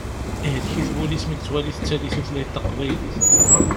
Ihlek-it wul-is mi yettwali tettali tutlayt taqbaylit.